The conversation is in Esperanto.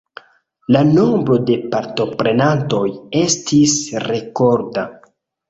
La nombro de partoprenantoj estis rekorda.